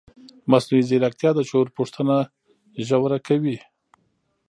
مصنوعي ځیرکتیا د شعور پوښتنه ژوره کوي.